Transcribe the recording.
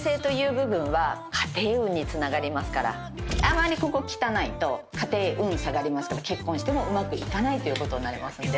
あまりここ汚いと家庭運下がりますから結婚してもうまくいかないということになります。